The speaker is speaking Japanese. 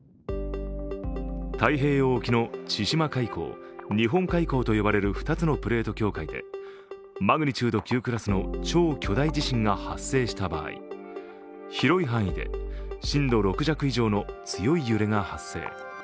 太平洋沖の千島海溝、日本海溝と呼ばれる２つのプレート境界でマグニチュード９クラスの超巨大地震が発生した場合、広い範囲で震度６弱以上の強い揺れが発生。